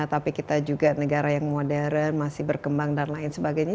tapi kita juga negara yang modern masih berkembang dan lain sebagainya